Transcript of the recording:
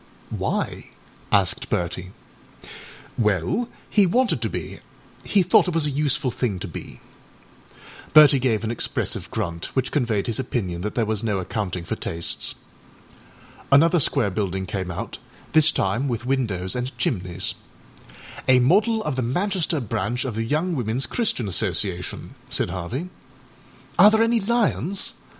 â âWhy?â asked Bertie. âWell, he wanted to be; he thought it was a useful thing to be.â Bertie gave an expressive grunt, which conveyed his opinion that there was no accounting for tastes. Another square building came out, this time with windows and chimneys. âA model of the Manchester branch of the Young Womenâs Christian Association,â said Harvey. âAre there any lions?